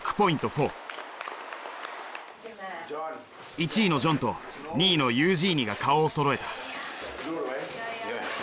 １位のジョンと２位のユージーニが顔をそろえた。